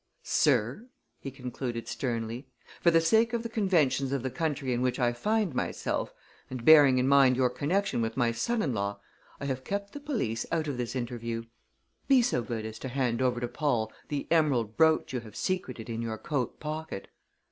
"Sir," he concluded sternly, "for the sake of the conventions of the country in which I find myself, and bearing in mind your connection with my son in law, I have kept the police out of this interview. Be so good as to hand over to Paul the emerald brooch you have secreted in your coat pocket!"